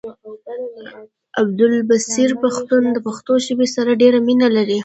عبدالبصير پښتون د پښتو ژبې سره ډيره مينه لري